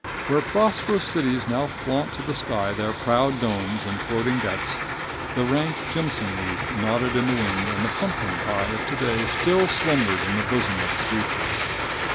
Where prosperous cities now flaunt to the sky their proud domes and floating debts, the rank jimson weed nodded in the wind and the pumpkin pie of to day still slumbered in the bosom of the future.